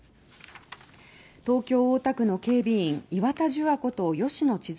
東京・大田区の警備員岩田樹亞こと吉野千鶴